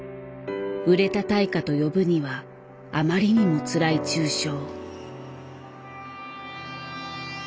売れた対価と呼ぶにはあまりにもつらい中傷。